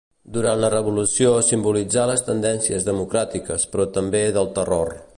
Durant la Revolució simbolitzà les tendències democràtiques però també del Terror.